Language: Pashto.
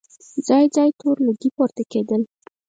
ځای ځای تور لوګي پورته کېدل.